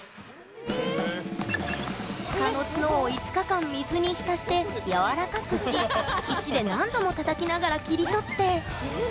鹿の角を５日間、水に浸してやわらかくし石で何度もたたきながら切り取って。